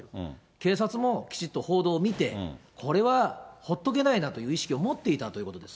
警察もきちっと報道を見て、これはほっとけないなという意識を持っていたということです。